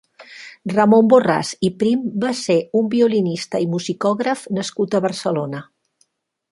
Ramon Borràs i Prim va ser un violinista i musicògraf nascut a Barcelona.